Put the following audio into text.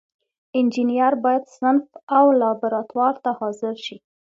انجینر باید صنف او لابراتوار ته حاضر شي.